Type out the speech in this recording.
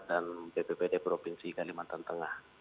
dan bppt provinsi kalimantan tengah